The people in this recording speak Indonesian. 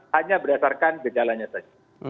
hanya berdasarkan gejalanya saja